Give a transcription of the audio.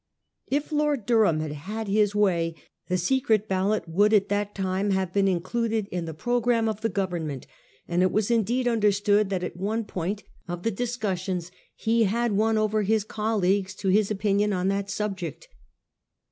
If Lord Durham had had his way the Ballot would at that time have been included in the pro gramme of the Government ; and it was indeed under stood that at one period of the discussions he had won over his colleagues to his opinion on that subject.